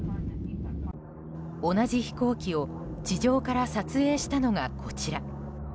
同じ飛行機を地上から撮影したのがこちら。